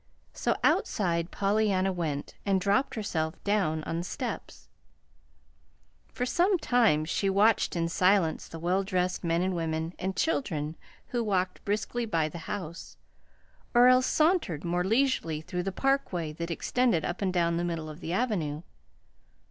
So outside Pollyanna went and dropped herself down on the steps. For some time she watched in silence the well dressed men, women, and children, who walked briskly by the house, or else sauntered more leisurely through the parkway that extended up and down the middle of the Avenue.